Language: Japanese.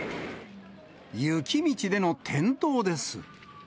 雪道での転倒です。